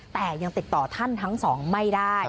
แต่ยังติดต่อท่านทั้งสองไม่ได้